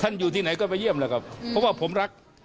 อยู่ที่ไหนก็ไปเยี่ยมแล้วครับเพราะว่าผมรัก